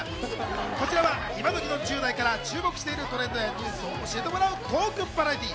こちらはイマドキの１０代から注目しているトレンドやニュースを教えてもらうトークバラエティー。